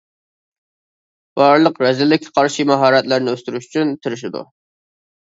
بارلىق رەزىللىككە قارشى ماھارەتلىرىنى ئۆستۈرۈش ئۈچۈن تىرىشىدۇ.